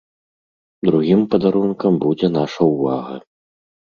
Другім падарункам будзе наша ўвага.